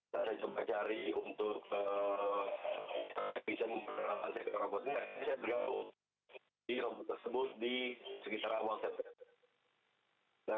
saya coba cari untuk bisa memperoleh robotnya